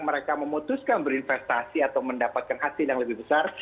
mereka memutuskan berinvestasi atau mendapatkan hasil yang lebih besar